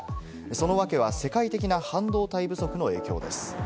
その訳は世界的な半導体不足の影響です。